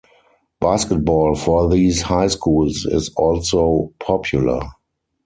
Basketball for these high schools is also popular.